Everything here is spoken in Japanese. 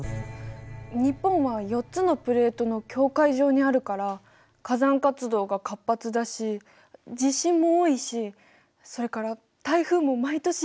日本は４つのプレートの境界上にあるから火山活動が活発だし地震も多いしそれから台風も毎年やってくるじゃない。